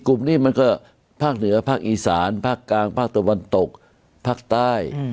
กลุ่มนี้มันก็ภาคเหนือภาคอีสานภาคกลางภาคตะวันตกภาคใต้